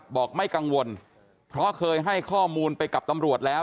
บอกไม่กังวลเพราะเคยให้ข้อมูลไปกับตำรวจแล้ว